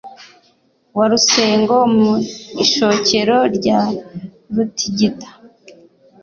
Wa RusengoMu ishokero rya Rutigita